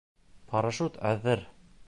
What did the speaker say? Парашют әҙер!